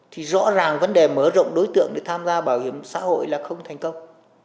thì rõ ràng vấn đề mở rộng đối tượng để tham gia bảo hiểm xã hội là không thành công